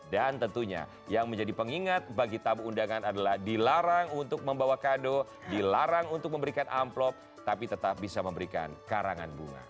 dan tentunya yang menjadi pengingat bagi tamu undangan adalah dilarang untuk membawa kado dilarang untuk memberikan amplop tapi tetap bisa memberikan karangan bunga